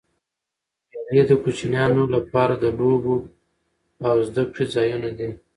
مېلې د کوچنيانو له پاره د لوبو او زدهکړي ځایونه دي.